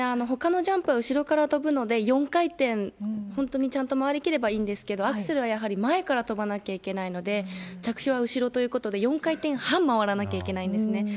ほかのジャンプは後ろから跳ぶので、４回転、本当にちゃんと回りきればいいんですけど、アクセルはやはり前から跳ばなきゃいけないので、着氷は後ろということで、４回転半回らなきゃいけないんですね。